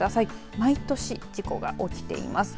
毎年、事故が起きています。